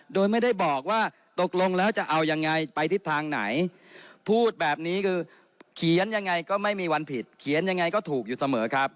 โดยไม่ได้บอกว่าตกลงแล้วจะเอายังไงไปทิศทางไหนพูดแบบนี้คือเขียนยังไงก็ไม่มีวันผิดเขียนยังไงก็ถูกอยู่เสมอครับ